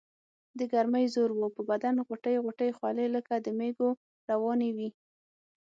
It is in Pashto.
دګرمۍ زور وو پۀ بدن غوټۍ غوټۍ خولې لکه د مېږو روانې وي ـ